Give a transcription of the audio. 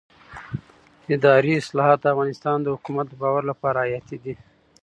اداري اصلاحات د افغانستان د حکومت د باور لپاره حیاتي دي